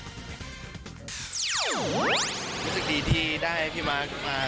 รู้สึกดีที่ได้ให้พี่มาร์คมา